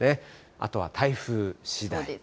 あとは台風しだい。